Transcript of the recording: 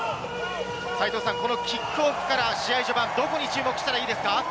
このキックオフから試合序盤、どこにどこに注目したらいいですか？